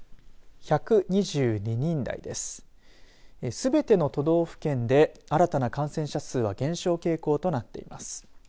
すべての都道府県で新たな感染者数は減少傾向となっています。